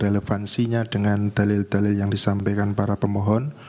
relevansinya dengan dalil dalil yang disampaikan para pemohon